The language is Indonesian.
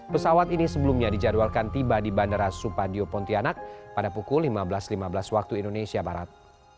pesawat ini sebelumnya dijadwalkan tiba di bandara supadio pontianak pada pukul lima belas lima belas waktu indonesia barat